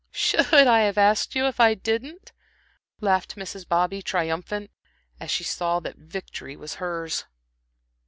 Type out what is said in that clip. "Should I have asked you, if I didn't," laughed Mrs. Bobby, triumphant, as she saw that victory was hers.